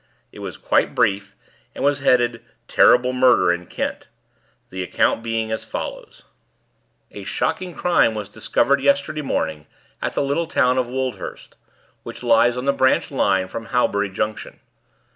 It was quite brief, and was headed "Terrible Murder in Kent," the account being as follows: "A shocking crime was discovered yesterday morning at the little town of Woldhurst, which lies on the branch line from Halbury Junction.